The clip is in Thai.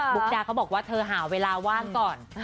ุ๊กดาเขาบอกว่าเธอหาเวลาว่างก่อน